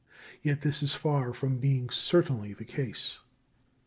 Yet this is far from being certainly the case.